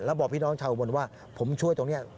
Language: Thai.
แล้วบอกพี่น้องชาวอุบลว่าผมช่วยตรงนี้